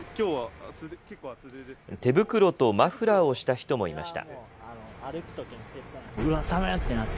手袋とマフラーをした人もいました。